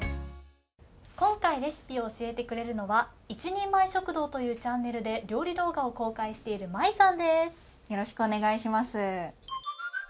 今回レシピを教えてくれるのは１人前食堂というチャンネルで料理動画を公開している、Ｍａｉさんです。